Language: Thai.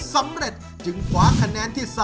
สำเร็จจึงคว้าคะแนนที่๓